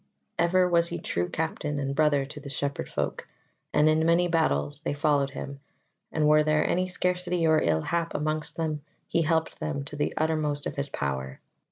Ever was he true captain and brother to the Shepherd folk, and in many battles they followed him; and were there any scarcity or ill hap amongst them, he helped them to the uttermost of his power.